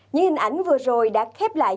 những hình ảnh vừa rồi đã khép lại